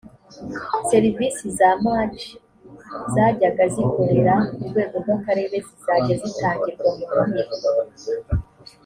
serivisi za maj zajyaga zikorera ku rwego rw’akarere zizajya zitangirwa mu nkiko